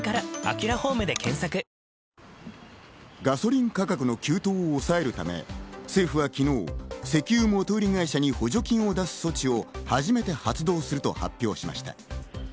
ガソリン価格の急騰を抑えるため、政府は昨日、石油元売り会社に補助金を出す措置は初めて発動すると発表しました。